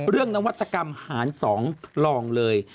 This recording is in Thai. เรื่องนวัตกรรมหารสองลองเลย